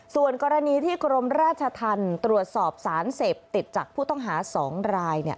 ส่วนกรณีที่กรมราชธรรมตรวจสอบสารเสพติดจากผู้ต้องหา๒ราย